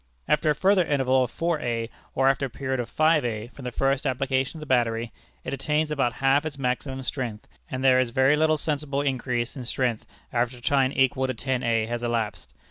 After a further interval of 4_a_ or after a period of 5_a_ from the first application of the battery, it attains about half its maximum strength, and there is very little sensible increase in strength after a time equal to 10_a_ has elapsed.